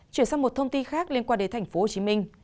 chuyển sang một thông tin khác liên quan đến tp hcm